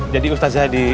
jadi ustazah di